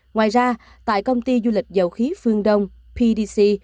ngoài ra tại công ty du lịch dầu khí phương đông pdc